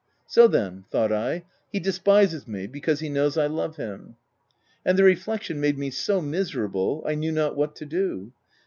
"So then!" thought I — "he despises me, because he knows I love him." OF WILDFELL HALL. 327 And the reflection made me so miserable I new not what to do.